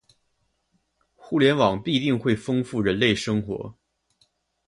互联网必定会丰富人类生活